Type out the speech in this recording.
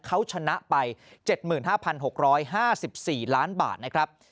เขาชนะไป๗๕๖๕๔ล้านบาทนะครับ